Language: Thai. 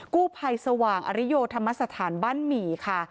กู้ภัยสว่างอริโยธรรมสถานบ้านหมี่ค่ะ